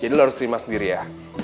jadi lo harus terima sendiri ya